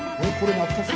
懐かしい。